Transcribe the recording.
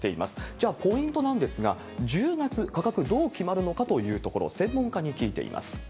じゃあ、ポイントなんですが、１０月、価格どう決まるのかというところ、専門家に聞いています。